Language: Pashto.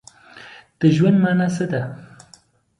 د ژوند مانا څه ده؟